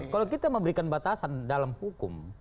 kalau kita memberikan batasan dalam hukum